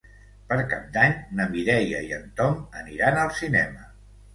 Per Cap d'Any na Mireia i en Tom aniran al cinema.